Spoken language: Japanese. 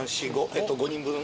えっと５人分。